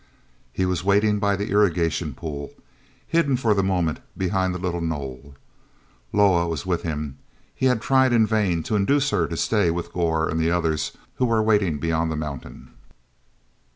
He was waiting by the irrigation pool, hidden for the moment behind the little knoll. Loah was with him; he had tried in vain to induce her to stay with Gor and the others who were waiting beyond the mountain.